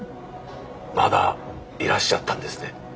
まだいらっしゃったんですね。